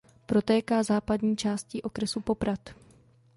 Protéká západní částí okresu Poprad.